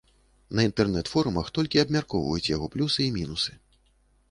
На інтэрнэт-форумах толькі і абмяркоўваюць яго плюсы і мінусы.